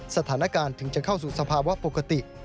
สถานการณ์ถึงจะเข้าสู่สภาวะปกติ